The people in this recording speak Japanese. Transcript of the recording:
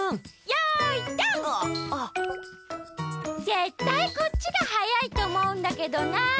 ぜったいこっちがはやいとおもうんだけどな。